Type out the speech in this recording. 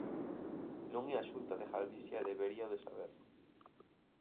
Non é a Xunta de Galicia e deberíao de saber.